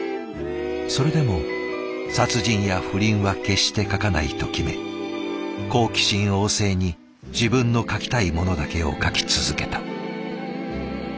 それでも殺人や不倫は決して書かないと決め好奇心旺盛に自分の書きたいものだけを書き続けた。